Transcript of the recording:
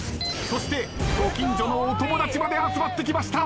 そしてご近所のお友達まで集まってきました。